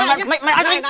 mày mày mày mày ăn tao đi